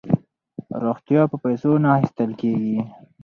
روغتیا په پیسو نه اخیستل کیږي.